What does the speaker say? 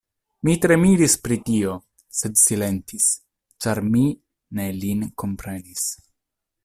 Mi tre miris pri tio, sed silentis, ĉar mi ne lin komprenis.